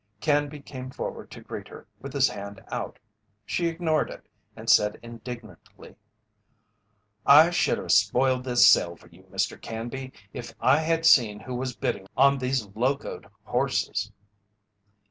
Canby came forward to greet her, with his hand out. She ignored it and said indignantly: "I should have spoiled this sale for you, Mr. Canby, if I had seen who was bidding on these locoed horses."